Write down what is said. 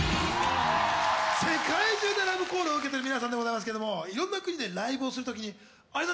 世界中でラブコールを受けてる皆さんでございますけどもいろんな国でライブをする時にあれなんでしょう？